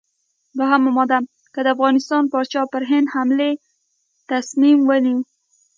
دوهمه ماده: که د افغانستان پاچا پر هند حملې تصمیم ونیو.